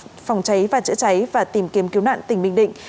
bình định đã phòng cháy và chữa cháy và tìm kiếm cứu nạn tỉnh bình định